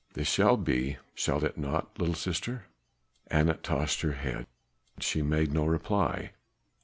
This shall be, shall it not, little sister?" Anat tossed her head; she made no reply.